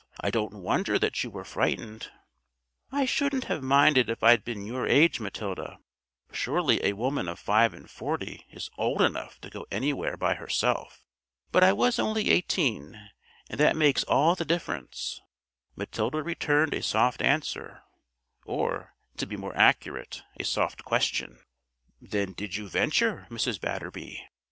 "I don't wonder that you were frightened." "I shouldn't have minded if I'd been your age, Matilda: surely a woman of five and forty is old enough to go anywhere by herself! But I was only eighteen, and that makes all the difference." Matilda returned a soft answer or, to be more accurate, a soft question. "Then did you venture, Mrs. Batterby?"